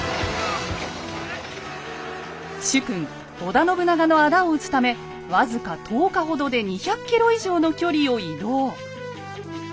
主君織田信長の仇を討つため僅か１０日ほどで２００ｋｍ以上の距離を移動。